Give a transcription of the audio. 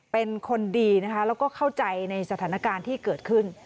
เป็นคนดีนะคะแล้วก็เข้าใจในสถานการณ์ที่เกิดขึ้น